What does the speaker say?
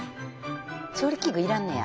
調理器具いらんのや。